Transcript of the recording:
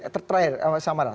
terakhir sama lah